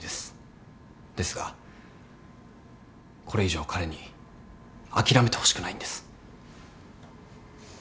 ですがこれ以上彼に諦めてほしくないんです。